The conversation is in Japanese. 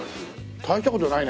大した事ないね